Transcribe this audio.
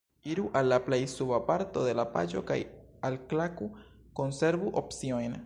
Iru al la plej suba parto de la paĝo kaj alklaku "konservu opciojn"